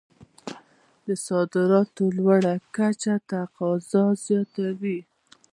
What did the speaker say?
د صادراتو لوړه کچه تقاضا زیاتوي.